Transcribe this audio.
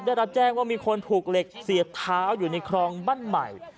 ได้รับแจ้งว่ามีคนถูกเหล็กเสียบเท้าอยู่ในครองบ้านใหม่